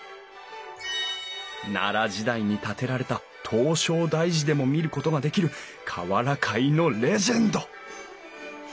奈良時代に建てられた唐招提寺でも見ることができる瓦界のレジェンド！